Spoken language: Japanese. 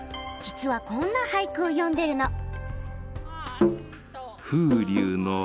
実はこんな俳句を詠んでるの。